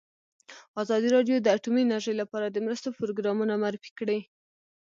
ازادي راډیو د اټومي انرژي لپاره د مرستو پروګرامونه معرفي کړي.